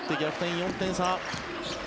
４点差。